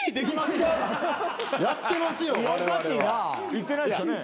行ってないですよね？